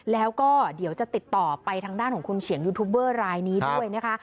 แล้วก็เดี๋ยวจะติดต่อไปทางด้านของคุณเสียงยูทูบเบอร์รายนี้ด้วยนะคะ